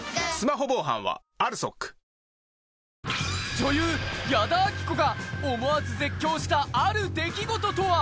女優矢田亜希子が思わず絶叫したある出来事とは？